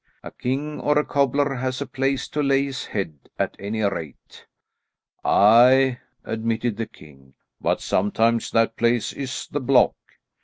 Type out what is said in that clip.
A king or a cobbler has a place to lay his head, at any rate." "Aye," admitted the king, "but sometimes that place is the block.